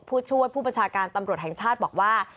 ผู้ช่วยผู้บัญชาการตำรวจแห่งชาติบอกว่า